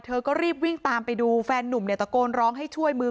ก็รีบวิ่งตามไปดูแฟนนุ่มเนี่ยตะโกนร้องให้ช่วยมือ